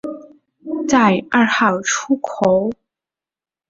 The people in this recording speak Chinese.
在二号出口